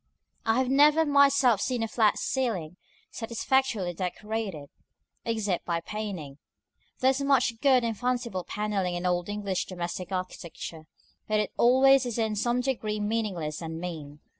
I have never myself seen a flat ceiling satisfactorily decorated, except by painting: there is much good and fanciful panelling in old English domestic architecture, but it always is in some degree meaningless and mean.